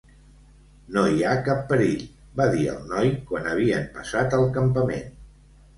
"No hi ha cap perill", va dir el noi quan havien passat el campament.